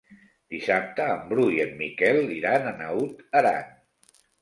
Dissabte en Bru i en Miquel iran a Naut Aran.